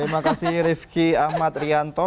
terima kasih rifki ahmad rianto